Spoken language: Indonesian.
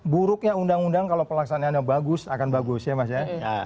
buruknya undang undang kalau pelaksanaannya bagus akan bagus ya mas ya